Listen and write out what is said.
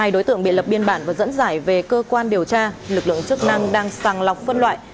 năm mươi hai đối tượng bị lập biên bản và dẫn dải về cơ quan điều tra lực lượng chức năng đang sàng lọc phân loại